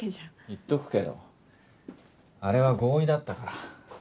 言っとくけどあれは合意だったから。